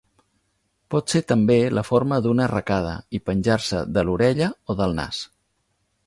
Pot ser també la forma d'una arracada i penjar-se de l'orella o del nas.